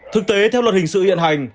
thực tế theo luật hình sự hiện hành